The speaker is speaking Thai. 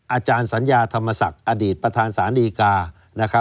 อาจารย์สัญญาธรรมศักดิ์อดีตประธานศาลดีกา